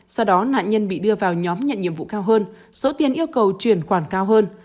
sau đó nạn nhân bị đưa vào nhóm nhận nhiệm vụ cao hơn số tiền yêu cầu chuyển khoản cao hơn